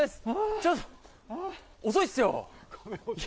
ちょっと、遅いっすよ。